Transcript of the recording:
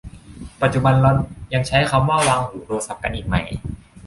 ปัจจุบันเรายังใช้คำว่าวางหูโทรศัพท์กันอีกไหม